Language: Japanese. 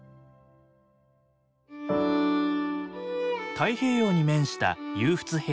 太平洋に面した勇払平野。